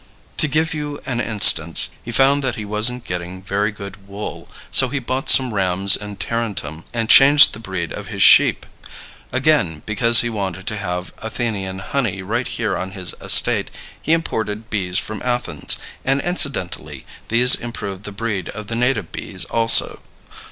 To give you an instance: He found that he wasn't getting very good wool, so he bought some rams at Tarentum and changed the breed of his sheep. Again, because he wanted to have Athenian honey right here on his estate, he imported bees from Athens, and incidentally these improved the breed of the native bees also.